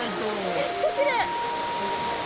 めっちゃきれい！